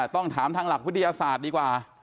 ต้องถามทางหลักวิทยาศาสตร์ดีกว่า